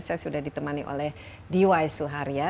saya sudah ditemani oleh diway suharya